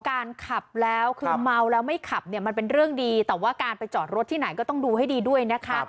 การขับแล้วคือเมาแล้วไม่ขับเนี่ยมันเป็นเรื่องดีแต่ว่าการไปจอดรถที่ไหนก็ต้องดูให้ดีด้วยนะคะ